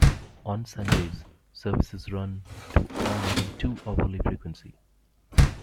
On Sundays, services run to on a two-hourly frequency.